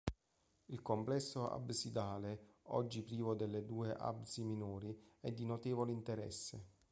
Il complesso absidale, oggi privo delle due absidi minori, è di notevole interesse.